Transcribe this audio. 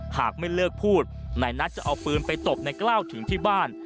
หากไม่เลิกพูดนายนัทจะเอาปืนไปตบนายกล้าวถึงที่บ้าน